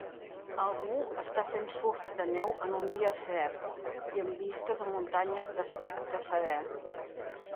Algú està fent surf de neu en un dia fred i amb vistes a muntanyes d'aspecte serè.